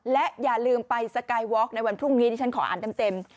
และอย่าลืมไปสกายวอล์กในวันพรุ่งนี้ที่ฉันขออ่านเต็ม